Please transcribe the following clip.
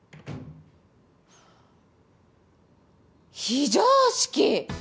非常識。